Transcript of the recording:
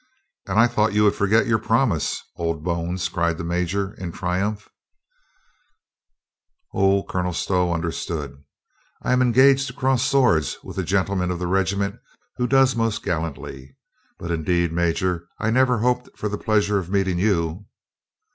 "And I thought you would forget your promise, ods bones!" cried the major in triumph, "Oh." Colonel Stow understood. "I am engaged to cross swords with the gentleman of the regiment who does most gallantly. But indeed. Major, I never hoped for the pleasure of meeting you."